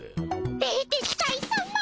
冷徹斎さま